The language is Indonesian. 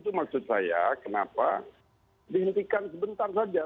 itu maksud saya kenapa dihentikan sebentar saja